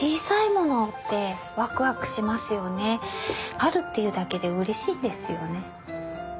あるっていうだけでうれしいんですよね。